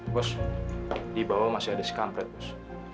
bos di bawah masih ada si kampret bos